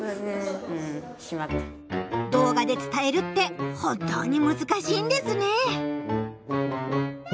動画で伝えるって本当にむずかしいんですね。